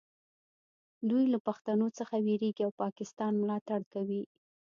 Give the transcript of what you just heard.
دوی له پښتنو څخه ویریږي او پاکستان ملاتړ کوي